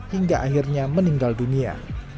hingga akhirnya meninggal dunia